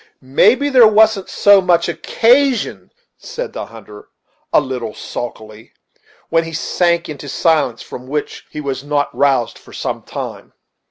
"Maybe there wasn't so much occasion," said the hunter, a little sulkily; when he sank into a silence from which he was not roused for some time.